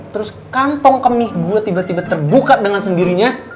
terus kantong kemih gue tiba tiba terbuka dengan sendirinya